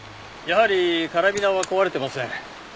やはりカラビナは壊れてません。